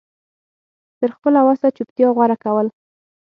تر خپله وسه چوپتيا غوره کول